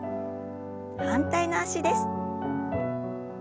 反対の脚です。